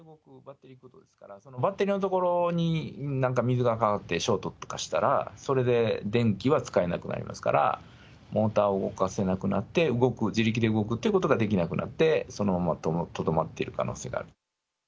バッテリーのところになんか水がかかってショートとかしたら、それで電気は使えなくなりますから、モーターを動かせなくなって、動く、自力で動くってことができなくなって、そのままとどまっている可能性がある。